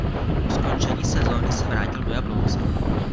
Po skončení sezóny se vrátil do Jablonce.